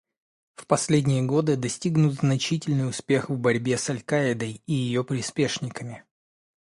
В последние годы достигнут значительный успех в борьбе с «Аль-Каидой» и ее приспешниками.